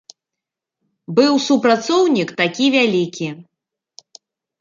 Быў супрацоўнік такі вялікі.